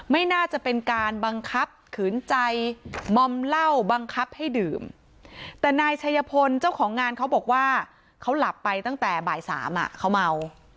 ไม่น่าจะเป็นการบังคับขืนใจมอมเหล้าบังคับให้ดื่มแต่นายชัยพลเจ้าของงานเขาบอกว่าเขาหลับไปตั้งแต่บ่ายสามอ่ะเขาเมา